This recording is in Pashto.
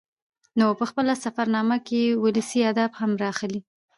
نو په خپله سفر نامه کې يې ولسي ادبيات هم راخلي